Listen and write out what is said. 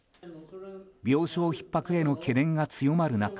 病床ひっ迫への懸念が強まる中